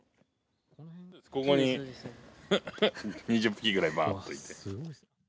ここに２０匹ぐらいわーっといて。